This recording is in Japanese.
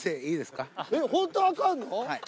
はい。